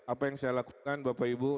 apa yang saya lakukan bapak ibu